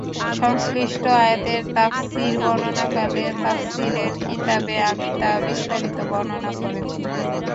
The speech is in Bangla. সংশ্লিষ্ট আয়াতের তাফসীর বর্ণনাকালে তাফসীরের কিতাবে আমি তা বিস্তারিত বর্ণনা করেছি।